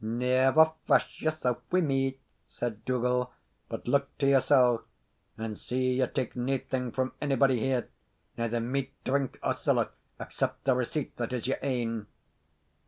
"Never fash yoursell wi' me," said Dougal, "but look to yoursell; and see ye tak' naething frae onybody here, neither meat, drink, or siller, except the receipt that is your ain."